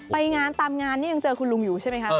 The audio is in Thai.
ไปงานตามงานนี่ยังเจอคุณลุงอยู่ใช่ไหมคะ